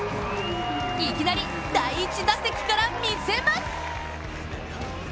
いきなり第１打席から見せます。